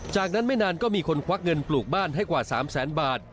จากนั้นไม่นานก็มีคนควักเงินปลูกบ้านให้กว่า๓แสนบาท